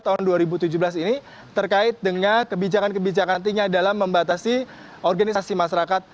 kita percaya dengan adanya amunisi perpu nomor dua tahun dua ribu tujuh belas ini terkait dengan kebijakan kebijakan tinggal dalam membatasi organisasi masyarakat